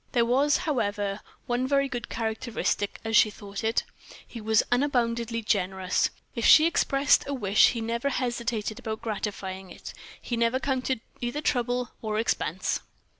There was, however, one very good characteristic, as she thought it he was unboundedly generous; if she expressed a wish he never hesitated about gratifying it; he never counted either trouble or expense.